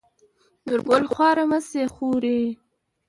نورګل: خواره مه شې خورې.